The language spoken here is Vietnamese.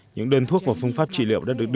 những đơn thuốc và phương pháp trị liệu đã được đưa